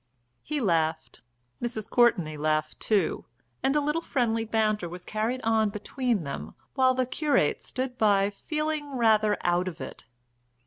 He laughed. Mrs. Courtenay laughed too, and a little friendly banter was carried on between them, while the curate stood by feeling rather out of it.